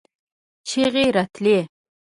چيغې راتلې.